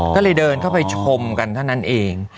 ก็เลยเดินเข้าไปชมกันเท่านั้นเอง